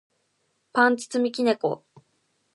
パンツ積み木猫